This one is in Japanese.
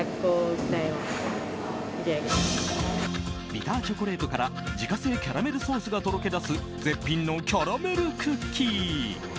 ビターチョコレートから自家製キャラメルソースがとろけだす絶品のキャラメルクッキー。